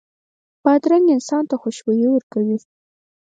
بادرنګ انسان ته خوشبويي ورکوي.